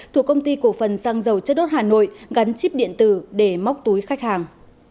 thuộc công ty cổ phần xăng dầu chất đốt hà nội gắn chip điện tử để móc túi khách hàng